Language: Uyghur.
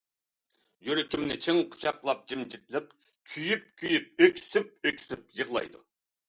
يۈرىكىمنى چىڭ قۇچاقلاپ جىمجىتلىق، كۆيۈپ-كۆيۈپ، ئۆكسۈپ-ئۆكسۈپ يىغلايدۇ.